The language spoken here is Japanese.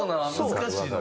難しいの？